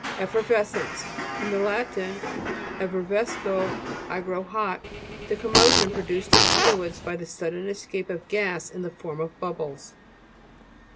EFFERVE'SCEITCE fr. lat. effervesco, I grow hot. The commotion pro duced in fluids by the sudden escape of gas in the form of bubbles.